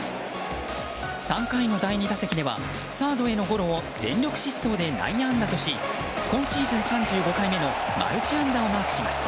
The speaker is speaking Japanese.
３回の第２打席ではサードへのゴロを全力疾走で内野安打として今シーズン３５回目のマルチ安打をマークします。